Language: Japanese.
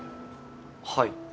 はい。